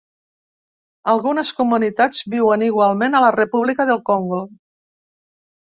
Algunes comunitats viuen igualment a la República del Congo.